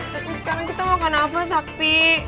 terus sekarang kita mau makan apa sakti